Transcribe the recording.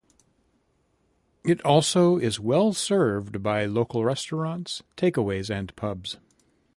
It also is well served by local restaurants, takeaways and pubs.